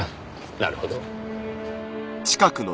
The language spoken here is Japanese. なるほど。